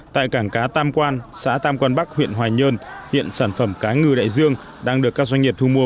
tại cảng cá tam quan xã tam quan bắc huyện hoài nhơn hiện sản phẩm cá ngừ đại dương đang được các doanh nghiệp thu mua